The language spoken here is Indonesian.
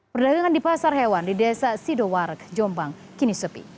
perdagangan di pasar hewan di desa sidowarek jombang kini sepi